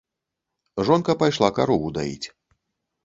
Жонка пайшла карову даіць.